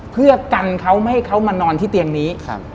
เพื่อกันเขาไม่ให้เขามานอนที่เตียงนี้